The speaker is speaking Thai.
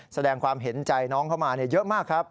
แสดงความเห็นใจน้องเข้ามาเยอะมากครับ